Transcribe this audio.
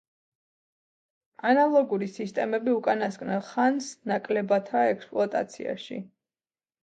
ანალოგური სისტემები უკანასკნელ ხანს ნაკლებადაა ექსპლოატაციაში.